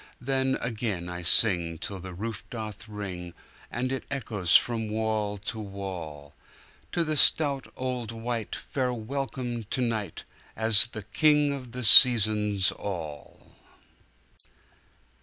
Then again I sing 'till the roof doth ring, And it echoes from wall to wall—To the stout old wight, fair welcome to night, As the King of the Seasons all!